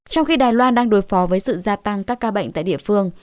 trong khi đài loan đang đối phó với sự gia tăng các ca bệnh tại địa phương